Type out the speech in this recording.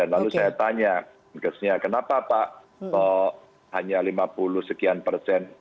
lalu saya tanya kesnya kenapa pak hanya lima puluh sekian persen